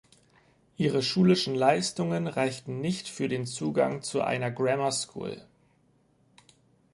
Ihre schulischen Leistungen reichten nicht für den Zugang zu einer Grammar School.